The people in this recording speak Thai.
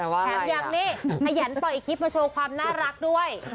แถมอย่างนี้ขยันปล่อยคลิปมาโชว์ความน่ารักด้วย